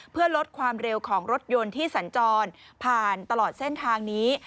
เพื่อลดความเร็วของรถยนต์ที่สัญจรผ่านตลอดเส้นทางนี้